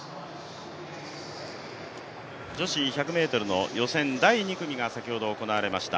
女子１００ｍの予選第２組が先ほど行われました。